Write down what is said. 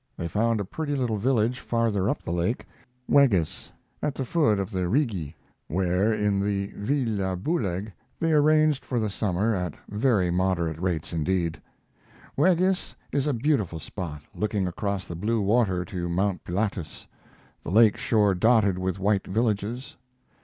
They found a pretty little village farther up the lake Weggis, at the foot of the Rigi where, in the Villa Buhlegg, they arranged for the summer at very moderate rates indeed. Weggis is a beautiful spot, looking across the blue water to Mount Pilatus, the lake shore dotted with white villages.